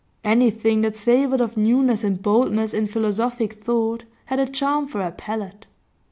Anything that savoured of newness and boldness in philosophic thought had a charm for her palate.